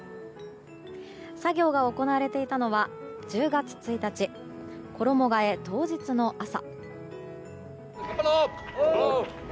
作業が行われていたのは１０月１日衣替え当日の朝。